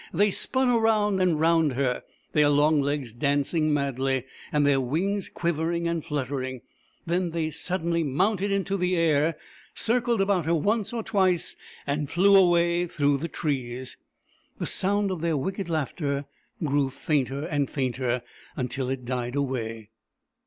They spun round and round her, their long legs dancing madly, and their wings quivering and fluttering. Then they suddenly mounted into the air, circled THE EMU WHO WOULD DANCE 77 about her once or twice, and flew away through the trees. The sound of their wicked laughter grew fainter and fainter until it died away.